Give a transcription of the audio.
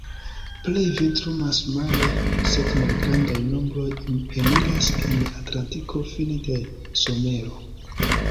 Plej vintrumas mare, sed malgrandaj nombroj eniras en Atlantiko fine de somero.